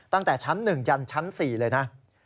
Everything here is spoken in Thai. ตั้งแต่ชั้น๑ยันชั้น๔เลยนะ